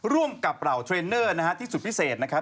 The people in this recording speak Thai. ร่วมกับเหล่าเทรนเนอร์นะฮะที่สุดพิเศษนะครับ